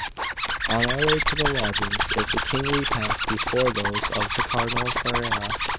Angelo. XII ON our way to the lodgings of the King we passed before those of the Cardinal of Ferrara.